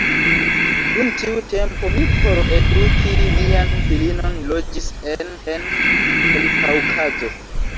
Dum tiu tempo mi por eduki mian filinon loĝis en en Vladikaŭkazo.